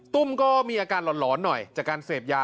ตุ้มก็มีอาการหลอนหน่อยจากการเสพยา